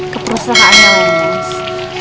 ke perusahaan yang lain